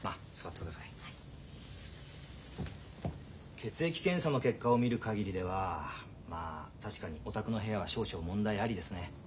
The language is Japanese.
血液検査の結果を見る限りではまあ確かにおたくの部屋は少々問題ありですね。